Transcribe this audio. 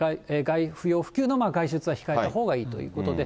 不要不急の外出は控えたほうがいいということで。